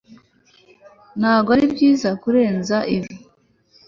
ntabwo aribyiza kurenza ibi